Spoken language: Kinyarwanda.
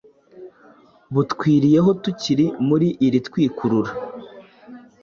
Butwiriyeho tukiri muri iri twikurura.